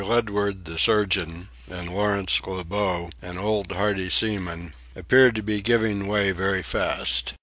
Ledward the surgeon, and Lawrence Lebogue, an old hardy seaman, appeared to be giving way very fast.